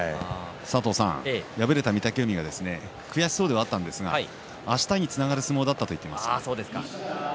敗れた御嶽海は悔しそうではあったんですがあしたにつながる相撲だったと言っていました。